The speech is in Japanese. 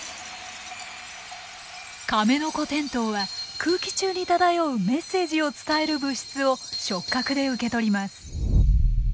カメノコテントウは空気中に漂うメッセージを伝える物質を触角で受け取ります。